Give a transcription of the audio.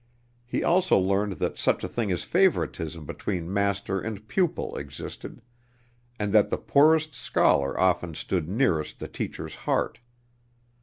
He also learned that such a thing as favoritism between master and pupil existed, and that the poorest scholar often stood nearest the teacher's heart.